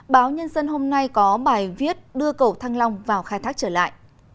báo nhân dân hôm nay có bài viết đưa cầu thăng long vào khai thác trở lại